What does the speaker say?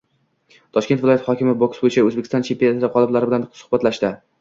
Toshkent viloyati hokimi boks bo‘yicha O‘zbekiston chempionati g‘oliblari bilan suhbatlashdi